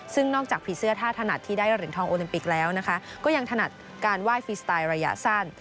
ซึ่งนอกจากผีเสื้อท่าถนัดที่ได้เหรียญทองโอลิมปิกแล้วนะคะก็ยังถนัดการไหว้ฟรีสไตล์ระยะสั้น